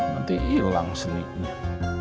nanti ilang seniknya